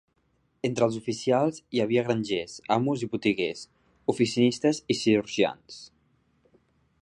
Entre els oficials hi havia granjers, amos i botiguers, oficinistes i cirurgians.